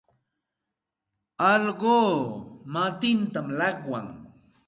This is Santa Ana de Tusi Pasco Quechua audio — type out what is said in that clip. Allquu matintam llaqwan.